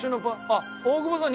あっ大久保さん